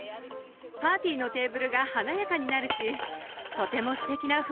パーティーのテーブルが華やかになるしとてもステキな雰囲気よ！